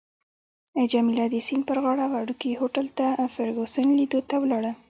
جميله د سیند پر غاړه وړوکي هوټل ته فرګوسن لیدو ته ولاړه.